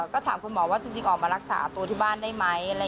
ก็ถามคุณหมอว่าจริงออกมารักษาตัวที่บ้านได้ไหม